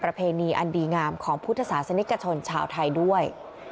เพณีอันดีงามของพุทธศาสนิกชนชาวไทยด้วย